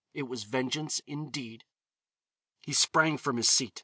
It was vengeance indeed. He sprang from his seat.